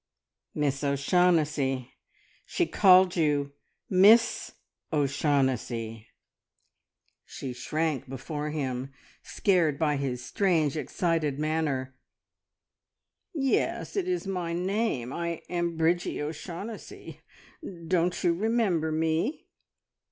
"Miss O'Shaughnessy! She called you `_Miss O'Shaughnessy_'!" She shrank before him, scared by his strange, excited manner. "Yes, it is my name. I am Bridgie O'Shaughnessy. Don't you remember me?"